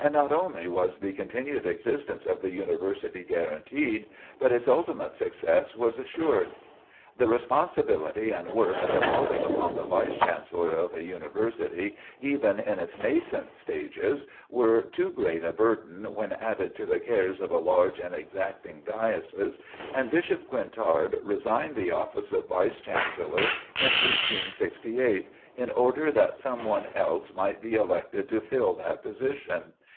And not only was the continued existence of the University guaranteed, but its ultimate success was assured. The responsibility and work devolving upon the Vice Chancellor of a University, even in its nascent stages, were too great a burden when added to the cares of a large and exacting Diocese, and Bishop Quintard resigned the office of Vice Chancellor in 1868 in order that some one else might be elected to fill that position.